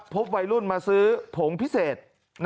พบวัยรุ่นมาซื้อผงพิเศษ